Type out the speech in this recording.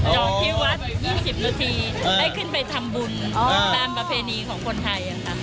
ออกที่วัด๒๐นาทีได้ขึ้นไปทำบุญตามประเพณีของคนไทย